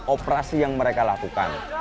operasi yang mereka lakukan